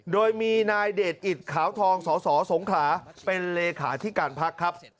โดยมีนายเดชอิตขาวทองสสสงขลาเป็นเลขาที่การพักครับ